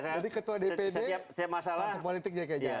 jadi ketua dpd partai politik jakarta